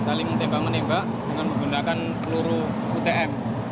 saling menembak menembak dengan menggunakan peluru utm